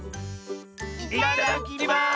いただきます！